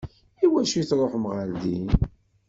I wacu i tṛuḥem ɣer din?